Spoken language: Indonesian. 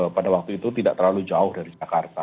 pada waktu itu tidak terlalu jauh dari jakarta